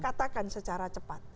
katakan secara cepat